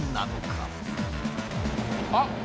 あっ！